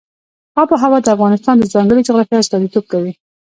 آب وهوا د افغانستان د ځانګړي جغرافیه استازیتوب کوي.